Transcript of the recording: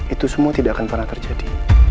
itu semua tidak akan pernah terjadi